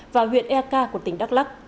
và huyện eka của tỉnh đắk lắc